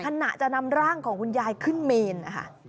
ขณะจะนำร่างของคุณยายขึ้นเมนนะคะ